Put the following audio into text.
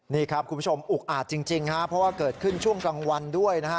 นี่ครับคุณผู้ชมอุกอาจจริงครับเพราะว่าเกิดขึ้นช่วงกลางวันด้วยนะฮะ